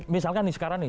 misalkan nih sekarang nih